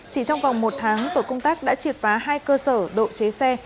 chỉ trong vòng một tháng tội công tác đã triệt phá hai cơ sở độ chế xe